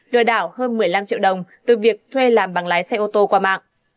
lừa đảo hơn một mươi năm triệu đồng từ việc thuê làm bằng lái xe ô tô qua mạng